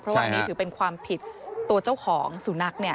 เพราะว่าอันนี้ถือเป็นความผิดตัวเจ้าของสุนัขเนี่ย